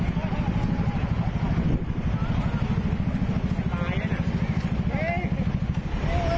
มันตายแล้วนะ